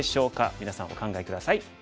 みなさんお考え下さい。